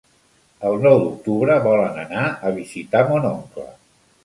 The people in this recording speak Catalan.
El nou d'octubre volen anar a visitar mon oncle.